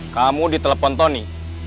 kamu di telepon tony